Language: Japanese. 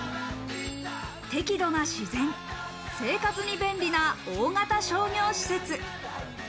適度な自然、生活に便利な大型商業施設。